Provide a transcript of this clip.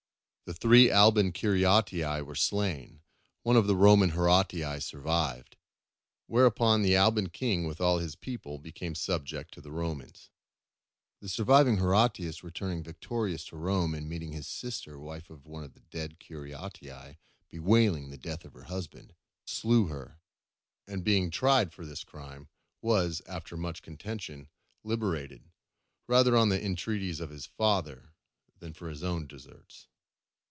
The three Alban Curiatii were slain; one of the Roman Horatii survived. Whereupon the Alban king with all his people became subject to the Romans. The surviving Horatius returning victorious to Rome, and meeting his sister, wife to one of the dead Curiatii, bewailing the death of her husband, slew her; and being tried for this crime, was, after much contention, liberated, rather on the entreaties of his father than for his own deserts.